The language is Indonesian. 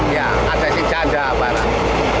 ya ada si janda barang